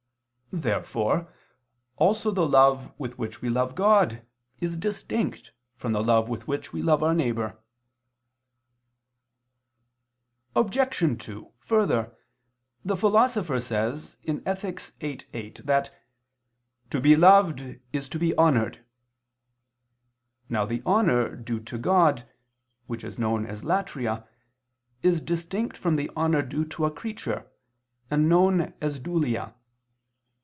Therefore also the love with which we love God, is distinct from the love with which we love our neighbor. Obj. 2: Further, the Philosopher says (Ethic. viii, 8) that "to be loved is to be honored." Now the honor due to God, which is known as latria, is distinct from the honor due to a creature, and known as _dulia.